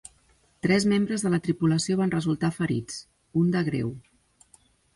Tres membres de la tripulació van resultar ferits, un de greu.